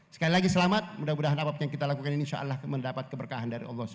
sekali lagi selamat mudah mudahan apa yang kita lakukan ini insya allah mendapat keberkahan dari allah sw